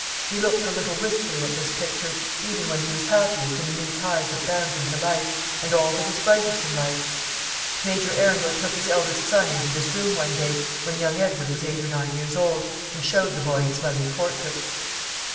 He looked a little wistfully at this picture, even when he was happiest in the new ties that bound him to life, and all that is brightest in life. Major Arundel took his eldest son into this room one day, when young Edward was eight or nine years old, and showed the boy his mother's portrait.